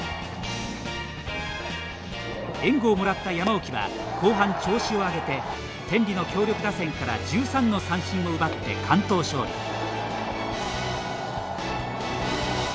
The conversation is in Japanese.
援護をもらった山沖は後半調子を上げて天理の強力打線から１３の三振を奪って完投勝利。